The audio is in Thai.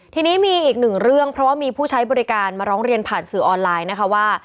ทีนี้มีอีกหนึ่งเรื่องเพราะว่ามีผู้ใช้บริการมาร้องเรียนผ่านสื่อออนไลน์นะคะว่า